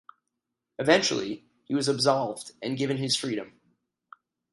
Eventually, he was absolved and given his freedom.